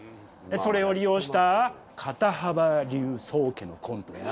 それを利用した肩幅流宗家のコントや。